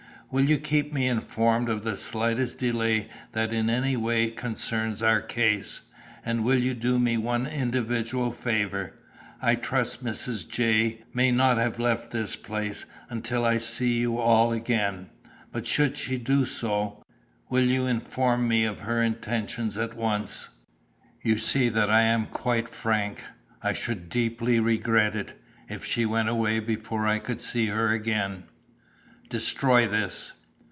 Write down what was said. Will you keep me informed of the slightest detail that in any way concerns our case? And will you do me one individual favour? I trust Mrs. J may not leave this place until I see you all again, but should she do so, will you inform me of her intention at once? You see that I am quite frank. I should deeply regret it, if she went away before I could see her again. Destroy this.